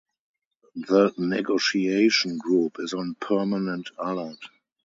The Negotiation group is on permanent alert.